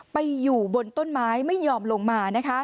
ไปอยู่บนต้นไม้ไม่ยอมลงมา